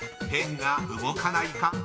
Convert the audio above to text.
ペンが動かないか］